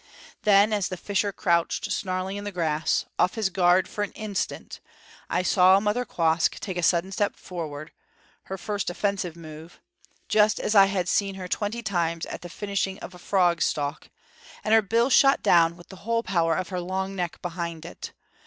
Then, as the fisher crouched snarling in the grass, off his guard for an instant, I saw Mother Quoskh take a sudden step forward, her first offensive move just as I had seen her twenty times at the finish of a frog stalk and her bill shot down with the whole power of her long neck behind it.